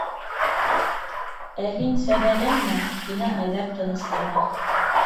- Ә һин сәбәләнмә, - тине Айҙар тыныс ҡына.